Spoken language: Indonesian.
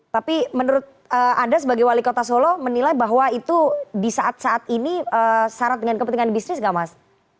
tapi menurut anda sebagai wali kota solo menilai bahwa itu di saat saat ini syarat dengan kepentingan bisnis gak mas